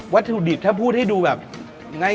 วัตถุดิบถ้าพูดให้ดูแบบง่าย